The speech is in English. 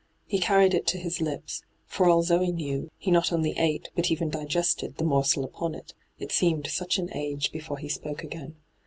He carried it to his lips ; for all Zoe knew, he not only ate, but even digested, the morsel upon it, it seemed such an age before he spoke again.